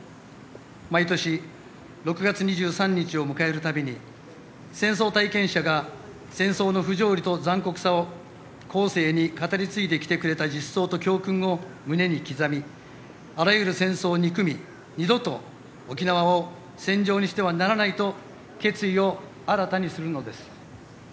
毎年６月２３日を迎えるたびに戦争体験者が戦争の不条理と残酷さを後世に語り継いできてくれた実相と教訓を胸に刻みあらゆる戦争を憎み二度と沖縄を戦場にしてはならないと決意を新たにするのです。